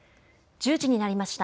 １０時になりました。